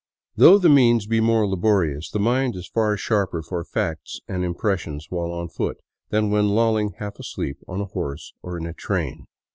Though the means be more laborious, the mind is far sharper for facts and impressions while on foot than when loll ing half asleep on a horse or in a train.